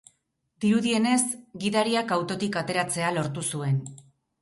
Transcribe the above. Dirudienez, gidariak autotik ateratzea lortu zuen.